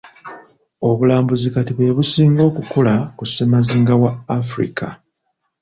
Obulambuzi kati bwe businga okukula ku ssemazinga wa Africa.